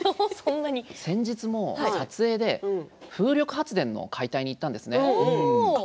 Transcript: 先日も撮影で風力発電の解体に行ったんですね。